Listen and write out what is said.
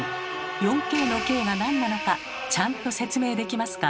４Ｋの「Ｋ」がなんなのかちゃんと説明できますか？